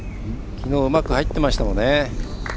きのう、うまく入ってましたもんね。